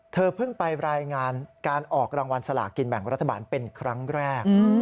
เธอเพิ่งไปรายงานการออกรางวัลสลากินแบ่งรัฐบาลเป็นครั้งแรก